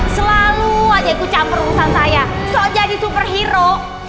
selalu aja ikut campur urusan saya soal jadi superhero